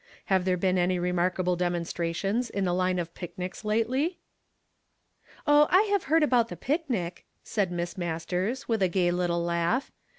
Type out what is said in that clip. Have there been any remarkable demonstrations in the hne of picnics lately ?" "Oh, I have heard about the picnic," said Miss Masters, with a gay little laugh.